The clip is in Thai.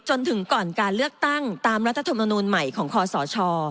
จนถึงก่อนการเลือกตั้งตามรัฐธรรมนูลใหม่ของคอสช